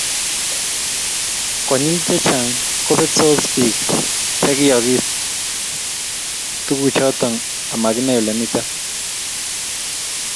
konyil chechang kobetsot biik chegiyoogiis tuguchoto amaginae olemito